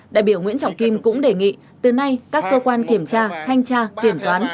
đại biểu nguyễn trọng kim cũng đề nghị từ nay các cơ quan kiểm tra thanh tra kiểm toán